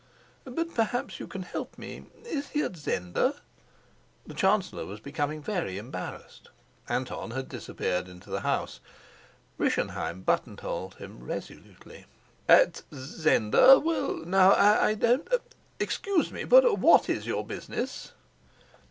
"But perhaps you can help me. Is he at Zenda?" The chancellor was becoming very embarrassed; Anton had disappeared into the house; Rischenheim buttonholed him resolutely. "At Zenda? Well, now, I don't Excuse me, but what's your business?"